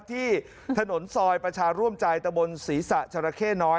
ที่ถนนซอยประชารร่วมใจตมบลสีศะฉระเข้น้อย